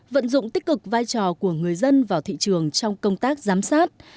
vận dụng tích cực vai trò của người dân vào thị trường trong công tác giám sát